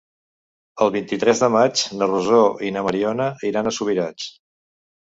El vint-i-tres de maig na Rosó i na Mariona iran a Subirats.